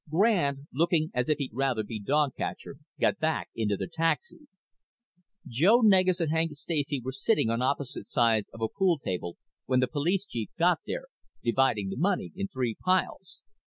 Grande, looking as if he'd rather be dog catcher, got back into the taxi. Joe Negus and Hank Stacy were sitting on opposite sides of a pool table when the police chief got there, dividing the money in three piles.